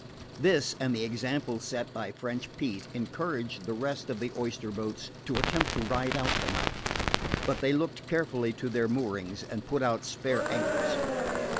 This, and the example set by French Pete, encouraged the rest of the oyster boats to attempt to ride out the night; but they looked carefully to their moorings and put out spare anchors.